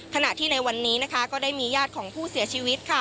ขณะที่ในวันนี้นะคะก็ได้มีญาติของผู้เสียชีวิตค่ะ